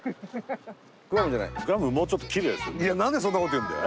もうちょっときれいですよ。